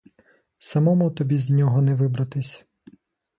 Самому тобі з нього не вибратись.